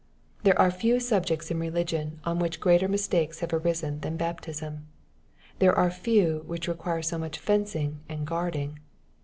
There are few subjects in religion on which greater mistakes have arisen than baptism. There are few which require so much fencing and guarding.